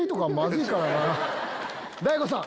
大悟さん！